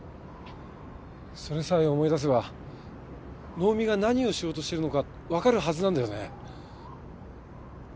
それさえ思い出せば能見が何をしようとしているのかわかるはずなんだよね。